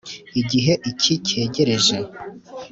igihe icyi cyegereje.